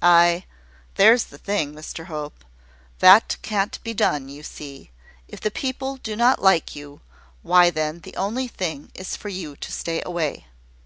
"Ay, there's the thing, Mr Hope. That can't be done, you see. If the people do not like you, why then the only thing is for you to stay away."